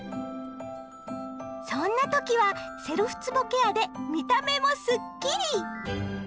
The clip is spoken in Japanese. そんな時はセルフつぼケアで見た目もスッキリ！